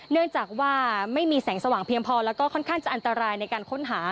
เนื่องจากว่าไม่มีแสงสว่างเพียงพอแล้วก็ค่อนข้างจะอันตรายในการค้นหา